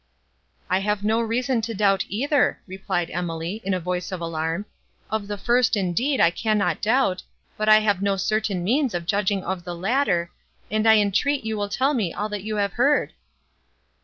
"I have no reason to doubt either," replied Emily, in a voice of alarm. "Of the first, indeed, I cannot doubt, but I have no certain means of judging of the latter, and I entreat you will tell me all you have heard."